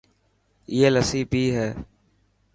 ائي لسي پئي هي.